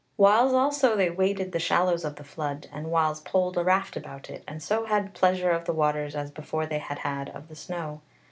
Whiles also they waded the shallows of the flood, and whiles poled a raft about it, and so had pleasure of the waters as before they had had of the snow.